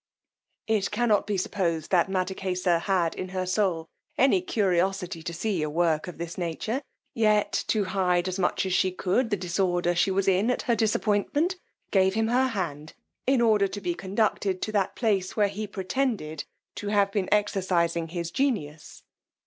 It cannot be supposed that Mattakesa had in her soul any curiosity to see a work of this nature, yet, to hide as much as she could the disorder she was in at her disappointment, gave him her hand, in order to be concluded to the place where he pretended to have been exercising his genius.